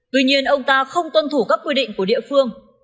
tuy nhiên ông ta không tuân thủ các quy định của địa phương